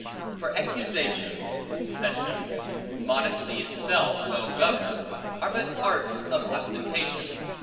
For excusations, cessions, modesty itself well governed, are but arts of ostentation.